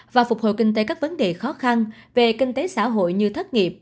và phục hồi kinh tế các vấn đề khó khăn về kinh tế xã hội như thất nghiệp